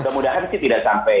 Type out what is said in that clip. mudah mudahan sih tidak sampai